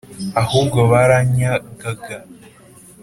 ahubwo baranyagaga